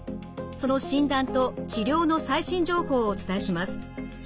その診断と治療の最新情報をお伝えします。